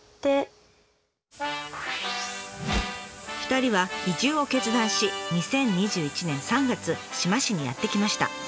２人は移住を決断し２０２１年３月志摩市にやって来ました。